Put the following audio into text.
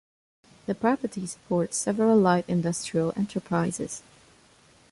The property supports several light industrial enterprises.